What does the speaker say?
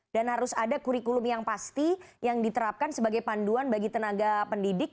dan harus ada kurikulum yang pasti yang diterapkan sebagai panduan bagi tenaga pendidik